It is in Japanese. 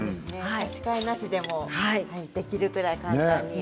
差し替えなしでもできるぐらい簡単に。